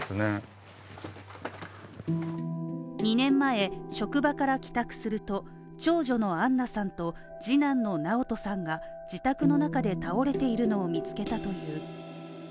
２年前、職場から帰宅すると長女の杏菜さんと次男の直人さんが自宅の中で倒れているのを見つけたという。